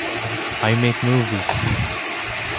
I make movies.